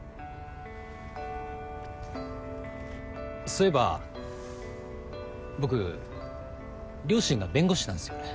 そういえば僕両親が弁護士なんすよね。